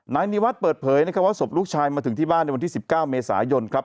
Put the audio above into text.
นายนิวัฒน์เปิดเผยนะครับว่าศพลูกชายมาถึงที่บ้านในวันที่๑๙เมษายนครับ